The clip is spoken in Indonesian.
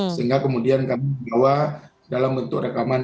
sehingga kemudian kami membawa dalam bentuk rekaman